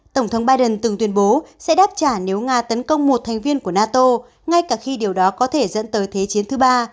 tổng thống biden từng tuyên bố sẽ đáp trả nếu nga tấn công một thành viên của nato ngay cả khi điều đó có thể dẫn tới thế chiến thứ ba